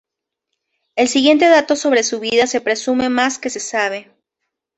El siguiente dato sobre su vida se presume más que se sabe.